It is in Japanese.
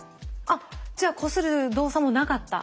あっじゃあこする動作もなかった。